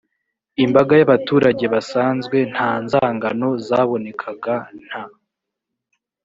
imbaga y abaturage basanzwe nta nzangano zabonekaga nta